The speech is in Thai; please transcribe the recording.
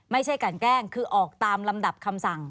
ไม่ใช่การแกล้งคือออกตามลำดับคำสั่ง